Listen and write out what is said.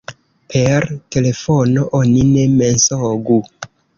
Per telefono oni ne mensogu.